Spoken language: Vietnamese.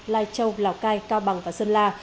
lai châu lào cai cao bằng và sơn la